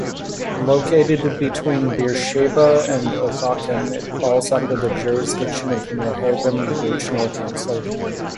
Located between Beersheba and Ofakim, it falls under the jurisdiction of Merhavim Regional Council.